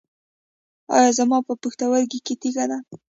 ایا زما په پښتورګي کې تیږه ده؟